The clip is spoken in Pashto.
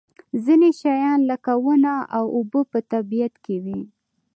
ځینې شیان لکه ونه او اوبه په طبیعت کې وي.